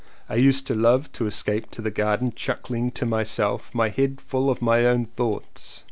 I used to love to escape to the garden, chuckling to myself, my head full of my own thoughts.